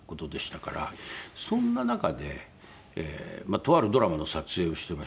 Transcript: そんな中でとあるドラマの撮影をしてましたら。